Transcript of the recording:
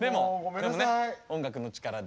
でもね音楽の力で。